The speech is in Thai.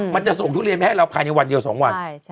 มันจะส่งทุเรียนไปให้เราภายในวันเดียว๒วัน